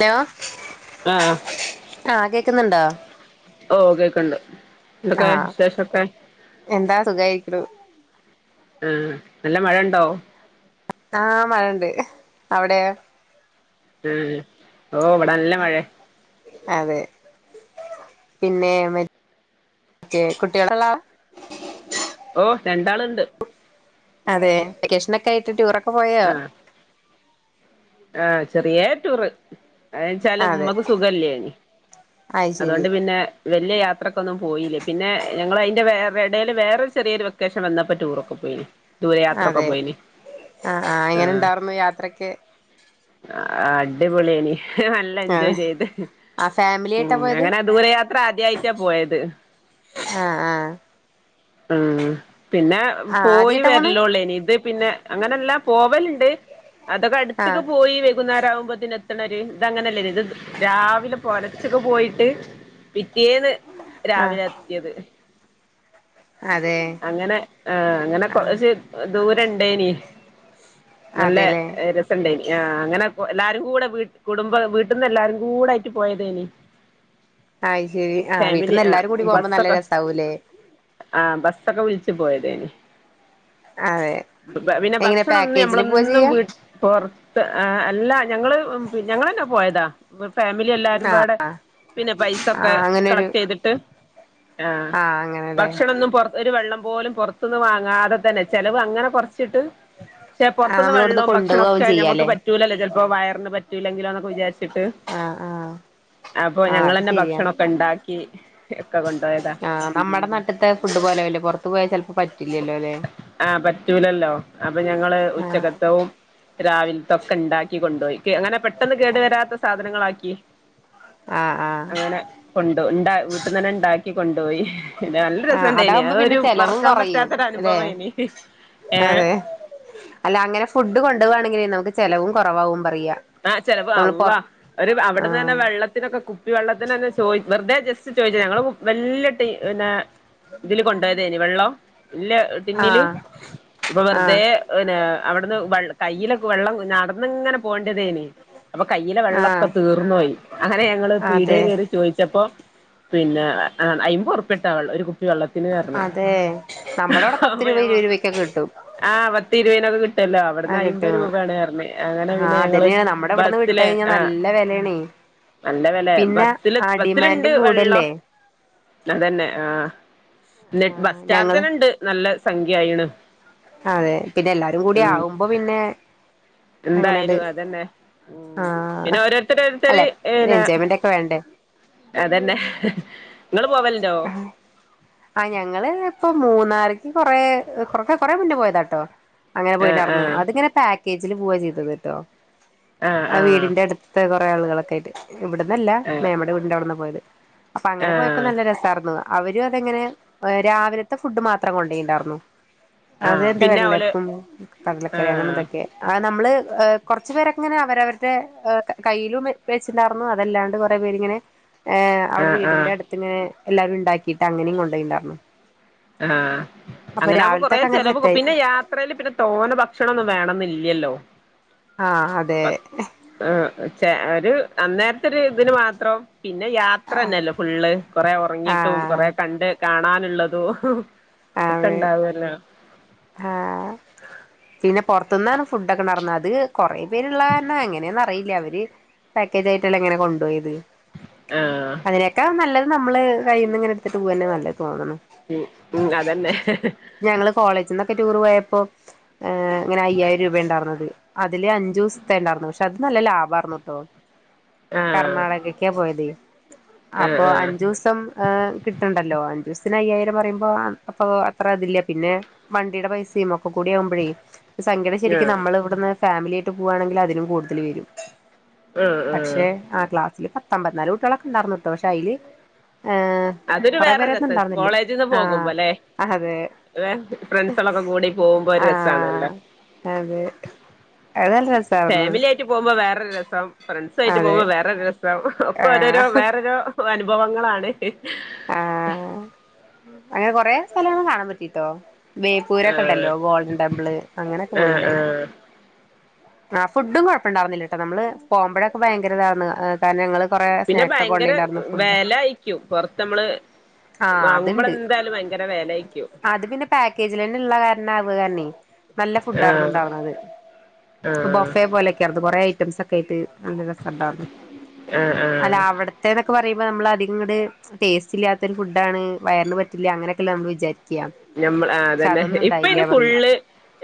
Hello, ആഹ് ആഹ് കേൾക്കുന്നുണ്ടോ? ഓഹ്, കേൾക്ക്‌ണ്ട് എന്തൊക്കെ ആഹ് വിശേഷൊക്കെ? എന്താ സുഖായിരിക്കണു ആഹ്, നല്ല മഴ ഇണ്ടോ? ആഹ്, മഴണ്ട് അവിടെയോ? ഏഹ്, ഓഹ് ഇവിടെ നല്ല മഴേ. അതെ, പിന്നെ മറ്റേ കുട്ടികള് ഇള്ള ആളാ? ഓഹ്, രണ്ടാള്ണ്ട്. അതെ വെക്കേഷനൊക്കെ ആയിട്ട് ടൂറൊക്കെ പോയോ? ആഹ് ആഹ് ചെറിയേ ടൂറ്. ഏഅച്ചാല് അതെ ഉമ്മക്ക് സുഖല്ലേനി അത് ശരി അതുകൊണ്ട് പിന്നെ വലിയ യാത്രയ്ക്കൊന്നും പോയില്ലേ പിന്നെ ഞങ്ങൾതി്റെ വേറെ ഇടയിൽ വേറൊ ചെറിയരു വൊക്കേഷൻ വന്നപ്പോൾ ടൂറും ഒക്ക പോയി അതെ ആഹ് ആഹ് ഇങ്ങനെ ഉണ്ടായിരുന്നു യാത്രക്ക് ആഹ് അടിപൊളിയനി നല്ല അതെ എൻജോയ് ചെയ്ത് ആഹ് ഫാമിലി ആയിട്ടാ ഉം പോയത് അങ്ങനെ ദൂരയാത്ര ആദ്യായിട്ടാ പോയത് ആഹ് ആഹ് ഉ പിന്നെ ആഹ് പോയി ആദ്യായിട്ടാ പോണ് വരലോള്ളേ ഇനി ഇത് പിന്നെ അങ്ങനെല്ലാം പോവലുണ്ട് അതൊക്കെ ആഹ് അടുത്തൊക്കെ പോയി വെകുന്നേരം ആകുമ്പോ ണ ഒരു ഇത്ങ്ങനെല്ലേ ഇത് രാവിലെ പലച്ചൊക്കെ പോയിട്ട് പിറ്റേന്ന് ആഹ് രാവിലെ എത്തിയത് അതെ അങ്ങനെ ആ അങ്ങനെ ആഹ് കൊറച്ച് ദൂര ഇണ്ടേന നല്ല അതെല്ലേ രസ് ഉണ്ടായിനി ആഹ് അങ്ങനെ എല്ലാരും കൂടെ കുടുംബ വീട്ടിൽന്ന് എല്ലാരും കൂടെ ആയിട്ട് പോയതേനി അയ്ശരി ആ വീ ഫാമിലി നിന്ന് എല്ലാരും കൂടി ആഹ് പോകുമ്പോ നല്ല ബസ്സൊക്കെ രസാവവുംല്ലേ ആഹ് ബസ്സൊക്കെ വിളിച്ചു പോയതേനി അതെ പിന്നെ എങ്ങനെ ഭക്ഷണം ഒന്നും പാക്കേജില് പോവാ ഞമ്മളൊന്നും ചെയ്യാ വീ പുറത്ത് അല്ല ഞങ്ങള് ഞങ്ങന്നാ പോയതാ ഫാമിലി ആഹ് എല്ലാരുംപാടെ ആഹ് പിന്നെ പൈസ ഒക്കെ ആഹ് അങ്ങനൊരു കളക്ട് ചെയ്തിട്ട് ആഹ് ഭക്ഷണംന്നും പൊർ ഒരു വെള്ളം പോലും പുറത്തുന്ന് വാങ്ങാ അതെ തന്നെ ചെലവ് അങ്ങനെ കൊറച്ചിട്ട് പക്ഷെ ആഹ് പുറത്തുന്ന് നമ്മളിവിടുന്ന് വെള്ളവും കൊണ്ടുപോവും ഭക്ഷണൊക്കെഞമുക്ക് ചെയ്യാല്ലേ പറ്റൂലല്ലോ ചിലപ്പോ വയറിന് പറ്റൂല്ലെങ്കിലോന്നൊക്കെ വിചാരിച്ചിട്ട് ആഹ് ആഹ് അപ്പൊ ആഹ് ഞങ്ങ അത് തന്നെ ശരിയാ ഭക്ഷണംക്കെ ഉണ്ടാക്കി ഒക്കെ കൊണ്ടു പോയതാ ആഹ് നമ്മുടെ നട്ടത്തെ ഫുഡ് പോലെല്ലേ പുറത്തു പോയാൽ ചിലപ്പോ പറ്റില്ലല്ലോ അല്ലെ ആഹ് പറ്റൂലല്ലോ അപ്പൊ ഞങ്ങള് ആഹ് ഉച്ചക്കത്തവും രാവില തൊക്ക ഉണ്ടാക്കി കൊണ്ടുപോയി അങ്ങനെ പെട്ടെന്ന് കേടു വരാത്ത സാധനങ്ങളാക്കി ആഹ് ആഹ് അങ്ങനെ കൊണ്ട് ഉണ്ട വീട്ടന്ന് തന്നെ ഉണ്ടാക്കി കൊണ്ടുപോയി എന്താ ആഹ് ണ്ട ഇനി അതാവുമ്പോ അത പിന്നെ ഒരു ചെലവും മറക്കാൻ കൊറയും പറ്റാത്തൊ ഒരു അല്ലെ അനുഭവ ഇനി ഏ അതെ അല്ല അങ്ങനെ ഫുഡ് കൊണ്ടു പോവാണെങ്കിൽ നമുക്ക് ചെലവും കുറവാവും പറയാ ആഹ് ചെലവ് നമ്മള് പൊറ അള്ളാ ഒരു അവിടുന്ന് തന്നെ ആഹ് വെള്ള ഇതിനൊക്കെ കുപ്പി വെള്ളത്തിന് തന്നെ ചോയി വെറുതെ ജസ്റ്റ് ചോദിച്ച ഞങ്ങള് വല്ല്യ ടി പിന്നെ ഇതില് കൊണ്ടുപോയതേനി വെള്ളം വല്ല്യ ട്ടിന്നില് ആഹ് ഇപ്പൊ വെറുതെ ആഹ് പിന്നെ അവിടുന്ന് കയ്യിലൊക്കെ വെള്ളം നടന്നിങ്ങനെ പോകണ്ടെ അപ്പൊ കയ്യിലെ വെള്ളൊക്കെ ആഹ് തീർന്നോയി അങ്ങനെ ഞങ്ങള് അതെ പീടിയേ കേറി ചോദിച്ചപ്പോ പിന്നെ അയ്മ്പ് ഉറുപ്പിയ ട്ടാ ഉള്ളൂ ഒരു കുപ്പി വെള്ളത്തിന് എന്ന് പറഞ്ഞു അതെ നമ്മുടെ അവിടെ പത്ത് അപ്പൊ രൂപ ഞാൻ ഇരുപത് രൂപക്കെ കിട്ടും ആ പത്തിരുപതിനൊക്കെ കിട്ടല്ലോ ആ അവിടുന്ന് അമ്പത് രൂപയാണ് പറഞ്ഞു അങ്ങനെ പിന്നെ ഞങ്ങള് അതന്നെയാണ് നമ്മുടെ ഇവിടുന്ന് വിട്ട് ബസ്സില് കഴിഞ്ഞാൽ ആഹ് നല്ല വിലയാണേ നല്ല വിലയാ പിന്നെ ബസ്സില് ആ ബസ്സിലുണ്ട് ഡിമാൻഡും വെള്ളം കൂടല്ലേ അതന്നെ ആ എന്നിട്ട് ആഹ് ബസ് ഞങ്ങള് ചാർജന്നെ ഉണ്ട് നല്ല സംഖ്യ ആയിണ് അതെ പിന്നെ എല്ലാരും കൂടി ഉം ആകുമ്പോ പിന്നെ അങ്ങനെട് എന്തായാലും അതന്നെ ഉം ആഹ് പിന്നെ ഓരോരുത്തരോരുത്തര് അല്ലെ ഏ ഒരു ന എൻജോയ്മെന്റ് ഒക്കെ വേണ്ടേ അതെന്നെ നിങ്ങള് പോവലുണ്ടോ ആ ഞങ്ങള് ഇപ്പൊ മൂന്നാറ്ക്ക് കൊറെ കൊറേ കൊറെ മുന്നേ പോയതാട്ടോ അങ്ങനെ ആഹ് പോയിണ്ടായിരുന്നു ആഹ് അതിങ്ങനെ പാക്കേജിൽ പോവാ ചെയ്തത്ട്ടോ ആഹ് അത്‌ ആഹ് വീടിന്റെ അടുത്ത് ത്തെ കുറേ ആളുകളൊക്കെ ആയിട്ട് ഇവിട്ന്നല്ല ആഹ് മേമ്മെടെ വീടിന്റെ അവിടെന്നാ പോയത് അപ്പൊ അങ്ങനെ പോയപ്പോ ആഹ് നല്ല രസം ർന്നതാ അവരും അതങ്ങനെ രാവില്ത്തെ ഫുഡ് മാത്രം കൊണ്ടേയിണ്ടാർന്നു ആഹ് അതെന്താ പിന്നെ ഓല് വെള്ളയപ്പം കടലക്കറി അങ്ങനെ ആഹ് എന്തൊക്കെ ആ നമ്മള് കുറച്ചു പേരൊക്കെങ്ങ്നെ അവരവരുടെ കയ്യിലും വെച്ച ഉണ്ടായിർന്നു അതല്ലാണ്ട് കൊറേ പേരിങ്ങനെ ഏഹ് അവിടെ ആഹ് ആഹ് വീട്ടിന്റെ അടുത്ത് ഇങ്ങനെ എല്ലാരും ഉണ്ടാക്കിട്ട് അങ്ങനെയും കൊണ്ടേയിണ്ടാർന്നു ആഹ് അങ്ങനാമ്പോ കൊറെ ചിലവ് സെറ്റായി പിന്നെ യാത്ര യാത്രയില് പിന്നെ തോനെ ഭക്ഷണം ഒന്നും വേണംന്ന് ഇല്ലല്ലോ ആഹ് അതെ ആഹ് ച്ചേ ഒരു അന്നേരത്തെ ഒരു ഇതിന് മാത്രം പിന്നെ യാത്രന്നെല്ലേ ഫുള്ള് കൊറേ ഉറങ്ങീട്ടും ആഹ് കൊറേ കണ്ട് കാണാനുള്ളതും ഒക്കെ അതെ ഇണ്ടാവൊല്ലോ ആഹ് പിന്നെ പുറത്തുന്നാണ് ഫുഡൊക്കെ നടന്നത് അത് കൊറേ പേരുള്ള കാരണം എങ്ങനെയാന്ന് അറിയില്ല അവര് പാക്കേജായിട്ടല്ലെ ഇങ്ങനെ കൊണ്ടോയത് ആഹ് അതിനെക്കാളും നമ്മള് കയ്യിൽ നിന്ന് ഇങ്ങനെ എടുത്തിട്ട് പോക്ന്ന നല്ലത് തോന്നുന്നു ഉം ഉം അതന്നെ ഞങ്ങള് കോളേജിന്നൊക്കെ ടൂർ പോയപ്പോ ഏഹ് ഇങ്ങനെ അയ്യായിരം രൂപയാ ഇണ്ടായിരുന്നത് അതില് അഞ്ചു ദിവസത്തെ ഇണ്ടായിരുന്നു പക്ഷെ അത് നല്ല ലാഭാരുന്ന്ട്ടോ ആഹ് കർണാടകക്കാ പോയത് ആഹ് അപ്പൊ ആഹ് അഞ്ചൂസം ഹ കിട്ട്ണ്ടല്ലോ അഞ്ച് ദിവസത്തിന് അയ്യായിരം പറയുമ്പോ അപ്പൊ അത്ര ഇതില്ല പിന്നെ വണ്ടിടെ പൈസയും ഒക്കെ കൂടെ ആവ്മ്പോൾ സംഗതി ശരിക്കും ആഹ് നമ്മളെ ഇവിടുന്ന് ഫാമിലി ആയിട്ട് പോവാണെങ്കിൽ അതിനും കൂടുതൽ വരും ഉം ഉം പക്ഷെ ആ ക്ലാസ്സില് പത്തമ്പത്തിനാല് കുട്ട്യാളൊക്കെ ഉണ്ടായിർന്നുട്ടോ പക്ഷെ അയില് ഏഹ് അതൊരു കൊറെ വേറെ പേരൊന്നും രസം ഉണ്ടാർന്നില്ല കോളേജിൽന്ന് ആഹ് പോകുമ്പോല്ലേ അതെ ഏഹ് ഫ്രണ്ട്സാളൊക്കെ കൂടി പോവ്മ്പോ ഒരു രസാണല്ലോ ആഹ് അതെ അത് നല്ല രസാർന്നു ഫാമിലി ആയിട്ട് പോവ്മ്പോ വേറൊരു രസം ഫ്രണ്ട്സായിട്ട് അതെ പോമ്പൊ വേറൊരു രസം ഒക്കെ ഓരോരോ ആഹ് വേറൊരൊ അനുഭവങ്ങളാണ് ആഹ് അങ്ങനെ കൊറെ സ്ഥലങ്ങളും കാണാൻ പറ്റീട്ടോ ബേപ്പൂരൊക്കെ ആഹ് ഇണ്ടല്ലോ ഗോൾഡൻ ടെമ്പിള് അങ്ങനെയൊക്കെ ആഹ് പോയിണ്ടായി ആഹ് ആ ഫുഡും കുഴപ്പണ്ടാരുന്നില്ലട്ട നമ്മള് പോവ്മ്പഴൊക്കെ ഭയങ്കര ഇതാര്ന്ന് ത ഞങ്ങള് കൊറേ പിന്നെ സ്നാക്സ് ഒക്കെ ഭയങ്കര കൊണ്ടേയിണ്ടായിരുന്നു ഫുഡ് വെല ആയിക്കും പൊറത്ത് നമ്മള് ആഹ് അത്ണ്ട് വാങ്ങുമ്പളെന്തായാലും ഭയങ്കര വെലേയ്ക്കും അത് പിന്നെ പാക്കേജിൽ തന്നെ ഇള്ള കാരണം ആവ്കന്നെ കാരണേ നല്ല ഫുഡാരുന്നു ആഹ് ഇണ്ടാവ്ണത് ആഹ് ബൊഫേ പോലെ ഒക്കെ ആർന്ന് കൊറെ ഐറ്റംസ്ക്കെ ആയിട്ട് നല്ല രസണ്ടാറ്ന്നു ആഹ് അല്ല ആഹ് അവിടെ മറ്റേന്നൊക്കെ പറയുമ്പ നമ്മളധികംങ്ങട് ടേസ്റ്റില്യാത്തൊര് ഫുഡ്ഡാണ് വയറിന് പറ്റില്യ അങ്ങനെക്കെല്ലേ നമ്മള് വിചാരി ഞമ്മള് ആഹ് അതന്നെ ഇപ്പ അയ്ന് പറയാ ഫുള്ള്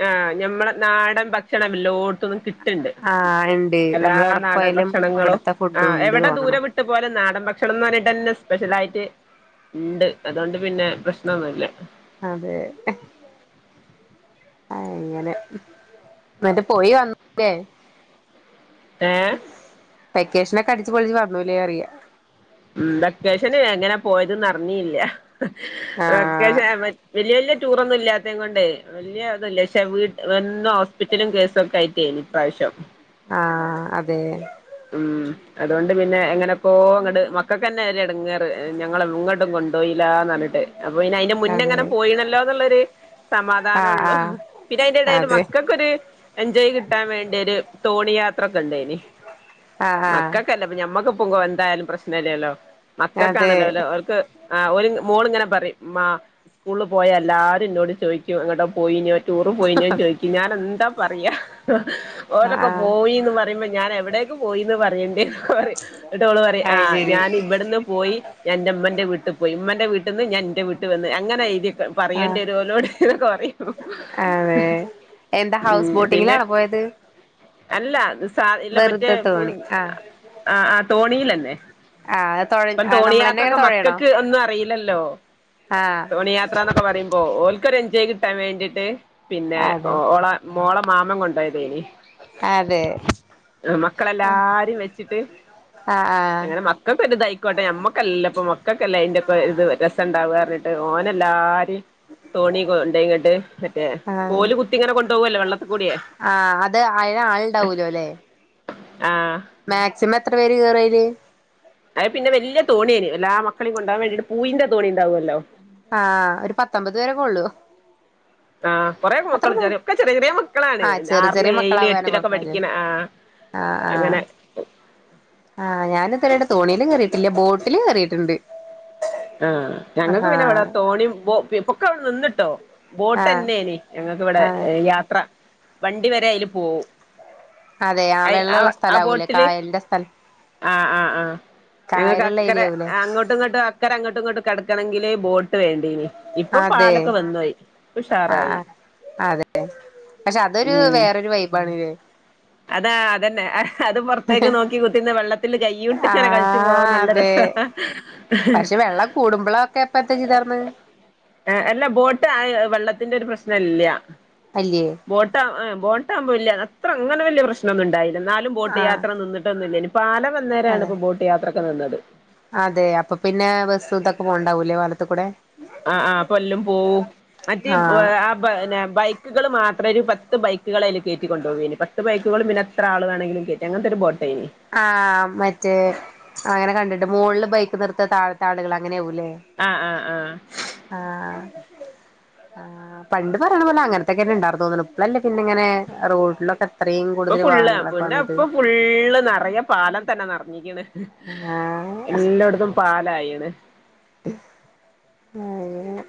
ആഹ് ഞമ്മളെ നാടൻ ഭക്ഷണം എല്ലോ ത്തും കിട്ട്ണ്ട് ആഹ് ഇണ്ട് എല്ലാ നമ്മളവിടെ നാടൻ പോയാലും ഭക്ഷണങ്ങളും ഇവിടത്തെ ഫുഡും ആഹ് ഉണ്ട് എവിടെ തോന്നണു ദൂരെ ട്ട് പോലെ നാടൻ ഭക്ഷണംന്ന് പറഞ്ഞിട്ടെന്നെ സ്പെഷ്യലായിട്ട് ഇണ്ട് അതോണ്ട് പിന്നെ പ്രശ്നൊന്നൂല്ലാ അതെ അങ്ങനെ ഇന്നിട്ട് പോയി വന്ന് ല്ലേ ഏഹ് വെക്കേഷനൊക്കെ അടിച്ച്പൊളിച്ച് വന്നൂലേ പറയാ ഉം വെക്കേഷന് എങ്ങനാ പോയത് ന്ന് അറിഞ്ഞീല്ലാ അത്യാവശ്യ ആഹ് വെൽ വെല്യ വെല്യ ടൂറൊന്നും ഇല്ലാത്തേം കൊണ്ടേ വെല്യാ ഇതില്ലാ പക്ഷെ വീട്ട് എന്നും ഹോസ്പ്പിറ്റലും കേസും ഒക്കെ ആയിട്ടേനി ഇപ്രാശ്യം ആഹ് അതെ ഉം അതോണ്ട് പിന്നെ എങ്ങനെക്കോ ഇങ്ങട് മക്കക്കെന്നെ ഒര് എടങ്ങേറ് ഞങ്ങളെ എങ്ങട്ടും കൊണ്ടോയില്ലാന്ന് പറഞ്ഞിട്ട് അപ്പൊ പിന്ന അയിന്റെ അതെ മുന്നെങ്ങനെ പോയിണെല്ലോന്ന്ള്ളൊരു ആഹ് സമാധാനൊള്ളു ആഹ് പിന്നെ അയിന്റെ എടേല് അതെ മക്കക്കൊരു എൻജോയ് കിട്ടാൻ വേണ്ടി ഒരു തോണി യാത്രക്കെണ്ടായിനി ആഹ് ആഹ് മക്കക്കെല്ലപ്പം ഞമ്മക്ക്പ്പം കൊ എന്തായാലും പ്രശ്നല്ലല്ലോ അതെ മക്കക്കാണല്ലോലോ ഓല്ക്ക് ആഹ് ഓര് മോളിങ്ങനെ പറയും ഉമ്മാ സ്കൂളില് പോയ എല്ലാരും ഇന്നോട് ചോയിക്കും എങ്ങടോ പോയിനിയോ ചോ ടൂറ് പോയിനിയോന്ന് ചോയിക്കും ഞാനെന്താ പറയാ ആഹ് ഓലൊക്കെ ആഹ് പോയീന്ന് പറയുമ്പോ ഞാൻ എവടെ പോയീന്ന് പറയണ്ട്ന്ന് പറയും എന്നിട്ട് ഓള് പറയും അത് ആഹ് ശരി ഞാനിന് ഇവിട്ന്ന് പോയി ഞാൻ ഇന്റെമ്മാന്റെ വീട്ട് പോയി ഉമ്മന്റെ വീട്ട്ന്ന് ഞാൻ ഇന്റെ വീട്ട് ട്ട് വന്ന് അങ്ങനെ എയ്തിവെക്ക ആഹ് പറയണ്ടിവെരും ഓലോട് ന്നൊക്കെ പറയും അതെ എന്താ ഹൗസ് ബോട്ടിങ്ങിലാണോ പോയത് അല്ലാ സാ ഇല്ല മറ്റേ വെറുതെ പുൻ തോണി ആഹ് ആഹ് ആഹ് തോണിലെന്നെ ആഹ് തൊഴ ഇപ്പം നമ്മളന്നെ തോണിയാത്രക്കെ ഇങ്ങനെ തൊഴയണോ മക്കക്ക് ഒന്നും അറീല്ലല്ലോ ആഹ് തോണിയാത് ത്രാന്നൊക്കെ പറയുമ്പോ ഓൽക്ക് ഒര് എഞ്ചോയ് കിട്ടാൻ വേണ്ടിട്ട് പിന്നെ ഓ അതെ ഓള മോള മാമൻ കൊണ്ടോയ്തേനി അതെ ആഹ് മക്കളെല്ലാരേം വെച്ചിട്ട് ആഹ് അങ്ങനെ മക് ക്കക്കൊരിതായ്ക്കോട്ടെ ഞമ്മക്കല്ലല്ലോ ഇപ്പ മക്കക്കല്ലേ അയ്ന്റെക്കെ ഇത് രസെണ്ടാവാ പറഞ്ഞിട്ട് ട്ട് ഓനെല്ലാരേം തോണി കൊണ്ടോയ്ങ്ങട്ട് മറ്റേ ആഹ് ആഹ് കോല് കുത്തി ഇങ്ങനെ കൊണ്ടോവല്ലോ വെള്ളത്തി കൂടിയേ ആഹ് അത് അയ്ന് ആൾണ്ടാവൂലോല്ലോ ആഹ് മാക്സിമം എത്ര പേര് കേറു അയില്? അത് പിന്നെ വെല്യ തോണിയേനി എല്ലാ മക്കളേം കൊണ്ടോവാൻ വേണ്ടീട്ട് പൂയിന്റെ തോണിണ്ടാവല്ലോ ആഹ് ഒരു പത്തമ്പത് പേരെക്കൊള്ളും ആഹ് കൊറെ മക്കള് ചെറിയ ഒക്കെ ചെറിയ ചെറിയ മക്കളാണ് ആഹ് ചെറിയ ആറില് ചെറിയ ഏയില് മക്കളാവാനും എട്ടിലൊക്കെ കൊഴപ്പല്ലേ പഠിക്കണ ആഹ് ആഹ് അങ്ങനെ ആഹ് ആഹ് ഞാൻ ഇത്രെയായിട്ടും തോണീല് കേറിട്ടില്ലാ ബോട്ടില് കേറിട്ട്ണ്ട് ആഹ് ഞങ്ങക്ക് പിന്നെ ഇവിടെ തോണിം ബോ ഇപ്പൊക്കെ ഇവിടെ നിന്ന്ട്ടോ ആഹ് ബോട്ടെന്നേനി ഞങ്ങക്കിവിടെ ആഹ് ഏഹ് യാത്ര വണ്ടി വരെ അയില് പോവും അതെ ആഹ് അയ് വെള്ളെള്ള ആ സ്ഥലാവൂല്ലേ ബോട്ടില് കായലിന്റെ സ്ഥലത് ആഹ് ആഹ് ആഹ് ഞങ്ങക്ക് അക്കരെ ഏരിയ ആവൂലേ അങ്ങോട്ടും ഇങ്ങോട്ടും അക് ക്കരെ അങ്ങട്ടും ഇങ്ങട്ടും കടക്കണെങ്കില് ബോട്ട് വേണ്ടീനി ഇപ്പ അതെ പാലൊക്കെ വന്നോയി ഇപ്പൊ ആഹ് ഉഷാറായി ആഹ് അതെ പക്ഷെ അതൊരു ഉം വേറൊരു വൈബാണ്ലേ? അതാ അതന്നെ അതും പുറത്തേക്ക് നോക്കി കുത്തിരുന്ന് വെള്ളത്തില് കൈയ്യൂട്ട് ഇങ്ങനെ കളിച്ചു പോവാൻ ആഹ് നല്ല രസാ അതെ പക്ഷെ വെള്ളം കൂടുമ്പോളൊക്കെപ്പ എന്താ ചെയ്തർന്ന് ഏഹ് അല്ല ബോട്ട് വെള്ളത്തിന്റെ ഒരു പ്രശ്നല്ല അല്ല്യേ ബോട്ട് ആഹ് ബോട്ടാകുമ്പോ വല്യ അത്ര അങ്ങനെ വല്യ പ്രശ്നൊന്നും ഉണ്ടായില്ല എന്നാലും ആഹ് ബോട്ടുയാത്ര നിന്നിട്ടൊന്നു അല്ലായ്ഞ്ഞു പാലം വന്നേരാണ് അതെ ഇപ്പോ ബോട്ട് യാത്രൊക്കെ നിന്നത് അതെ അപ്പൊ പിന്നെ ബസ്സും ഇതൊക്കെ പോണ്ടാവൂലേ പാലത്തി കൂടെ- ആഹ് ആഹ് ഇപ്പൊ എല്ലും പോവും മറ്റേ ഉം ആഹ് ബ ന്നെ ബൈക്കുകൾ മാത്രം ഒരു പത്ത് ബൈക്കുകളയില് കയറ്റിക്കൊണ്ടുപോവയ്നു പത്ത് ബൈക്കുകളും പിന്നെ എത്ര ആൾ വേണെങ്കിലും കെയ്റ്റാ അങ്ങനത്തെ ഒരു ബോട്ടേയ്ന് ആഹ് മറ്റേ അങ്ങനെ കണ്ടിട്ട് മോളില് ബൈക്ക് നിർത്ത താഴത്തെ ആളുകൾ അങ്ങനെയാകൂലേ ആഹ് ആഹ് ആഹ് ആഹ്. ആഹ് പണ്ട് പറയണപോലെ അങ്ങനത്തേക്കന്ന് ഒണ്ടാർന്നു തോന്നണു ഇപ്പളല്ലേ പിന്നെ ഇങ്ങനെ റോഡിലൊക്കെ ത്രേം ഇപ്പൊ കൂടുതല് ഫുള്ള് വാഹനങ്ങളൊക്കെ പിന്നെ വന്നത് ഇപ്പൊ ഫുള്ള് നെറയെ പാലംതന്നെ നെറഞ്ഞിക്കണ് ആഹ് എല്ലാടെത്തും. പാലായിണ് അയന്നെ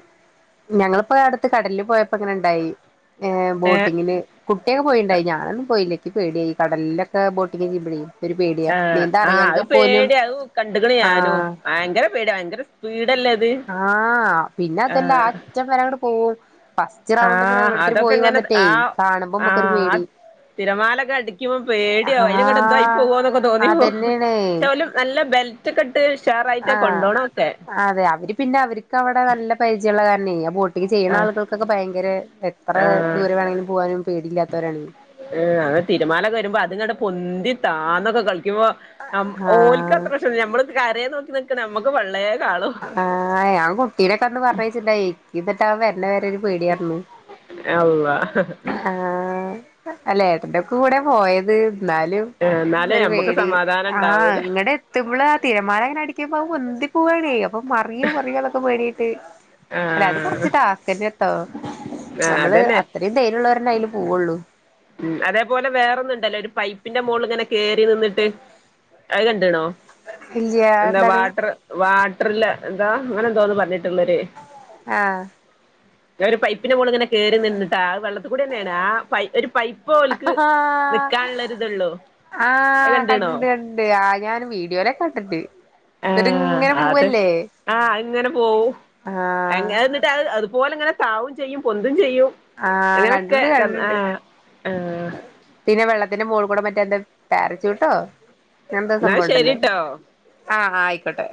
ഞങ്ങളിപ്പോ അടുത്ത് കടലിൽ പോയപ്പോ ഇങ്ങനെ ണ്ടായി ഏഹ് ഏ ബോട്ടിങ്ങിന് കുട്ടിയൊക്കെ പോയിണ്ടായി ഞാനൊന്നും പോയില്ലഇക്ക് പേടിയായി കടലിലൊക്കെ ബോട്ടിങ് ചെയ്യുമ്പഴേ ഒരു പേടിയാ ആഹ് നീന്താൻ ആഹ് അഹ് അറിയാങ്കി പോലും പേടിയ അത് കണ്ടുക്ക്‌ണ് ആ ഞാനും ഭയങ്കര പേട്യാ ഭയങ്കര സ്പീഡല്ലേ അ ആഹ് പിന്നെ അതൊല്ലാ ആ അറ്റം വരങ്ങട്ട് പോവും ഫസ് സ്റ്റ് ആ റൗണ്ട് ഇങ്ങനെ ഓരോരുത്തര് അതൊക്കെ പോയി ഇങ്ങനെ വന്നിട്ടേ ആ കാണുമ്പോ ആ മ്മക്കൊരു ആ പേടി തിരമാലൊക്കെ അടിക്കുമ്പം പേടിയാവും ആ അയില് ങ്ങട്ട് എന്തോ ആയി പോവോന്നൊക്കെ തോന്നിപ്പോവും അതന്നെയാണ് ക്ഷെ ഓലും നല്ല ബെൽറ്റക്കെട്ട് ഷറായിട്ടാ ആഹ് കൊണ്ടോണോക്കെ അതെ അവര് പിന്നെ അവരിക്കവിടെ നല്ല പരിചയൊള്ള കാരണെ ആ ബോട്ട് ട്ടിങ് ചെയ്യുന്ന ആ ആളുകൾക്കൊക്കെ ഭയങ്കര എത്ര ആ ദൂരെ വേണങ്കിലും പോവാനും പേടിയില്ലാത്തവരാണ്. ഏഹ് അത് തിരമാലൊക്കെ വരുമ്പോ അത്ങ്ങട്ട് പൊന്തി താന്നൊക്കെ കളിക്കുമ്പോ നം ഓൽക്ക് ആഹ് അത്ര പ്രശ്നൽ പക്ഷെ നമ്മള് കരേന്ന് നോക്കി നിക്കണ നമ്മക്ക് പള്ളേ കാളും അഹ് ആഹ് ഞാൻ കുട്ടീനൊക്കന്ന് പറഞ്ഞയച്ചിണ്ടായി ഇപ്പ ത്തവൻ വര്ണെ വരെ ഒരു പേടിയാർന്നു ഏഹ് അള്ളാ. ആഹ് അല്ലഏട്ടന്റെ കൂടെ പോയത് ന്നാലും എന്നാലേ ഒരു നമ്മക്ക് പേടി സമാധാനം ആഹ് ഉണ്ടാവൂല ഇങ്ങടെ ത്തുമ്പള് ആ തിരമാല ങ്ങനെ അടിക്കുമ്പോ അഅ് പൊന്തി പോവാണെ അപ്പൊ മറിയോ മറിയോന്നൊക്കെ പേടിയായിട്ട് അല്ല അത് ആഹ് കൊറച്ച് ടാസ്ക്കന്നെട്ടോ ആഹ് നമ്മള് അതന്നെ അത്രയും ധൈര്യള്ളോരെന്നയില് പോവുള്ളൂ ഉം അതേപോലെ വേറൊന്നുണ്ടല്ലോ ഒരു പൈപ്പിന്റെ മോള് ഇങ്ങനെ കേറി നിന്നിട്ട് അത് കണ്ട്ണോ? ഇല്ല്യ എന്തോ അതെന്താണ് വാട്ടർ വാട്ടറില് എന്താ അങ്ങനെ എന്തോന്ന് പറഞ്ഞിട്ടുള്ളൊരു ആഹ് ഞൻ ഒരു പൈപ്പിന്റെ മോള് ഇങ്ങനെ കേറി നിന്നിട്ടാ വെള്ളത്തി കൂടെന്നെയാണ് ആഹ് പൈ ഒരു പൈപ്പ് ഓൽക്ക് ആഹ് നിക്കാനുള്ള ഒരിതുള്ളൂ അത് ആഹ് കണ്ട്ണോ കണ്ട് ണ്ട് ആഹ് ഞാൻ വീഡിയോല കണ്ടിണ്ട് ആ എന്നിട്ട് ഇങ്ങനെ അത് പോവല്ലേ ആ അതിങ്ങനെ പോവും ആഹ് എങ്ങനെ നിർ ത്താ അഹ് അതുപോലെ ഇങ്ങനെ താവും ചെയ്യും പൊന്തും ചെയ്യും ആഹ് എങ്ങനൊക്കെ കണ്ടിണ്ട് ഞ്ഞം ആ, കണ്ടിണ്ട് ആ. പിന്നെ വെള്ളത്തിന്റെ മോൾ കൂടെ മറ്റേ എന്താ പരച്ചുട്ടോ അങ്ങനെന്താ എന്നാ സംഭവംണ്ടല്ലോ. ശരിട്ടോ ആ ആയിക്കോട്ടെ.